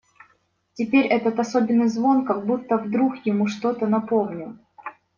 Теперь этот особенный звон как будто вдруг ему что-то напомнил.